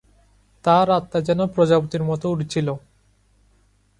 তার আত্মা যেন প্রজাপতির মত উড়ছিল।